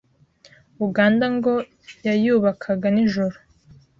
Uganda ngo yayubakaga nijoro,